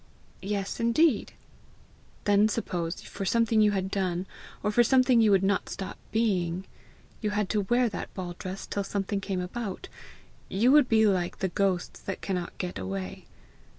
"Yes, indeed." "Then suppose, for something you had done, or for something you would not stop being, you had to wear that ball dress till something came about you would be like the ghosts that cannot get away.